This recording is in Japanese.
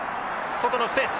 外のスペース！